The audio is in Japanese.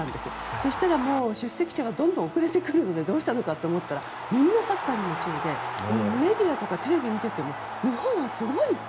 そうしたら出席者がどんどん遅れてくるのでどうしたのかと思ったらみんなサッカーに夢中でメディアとかテレビを見ていても日本はすごいと。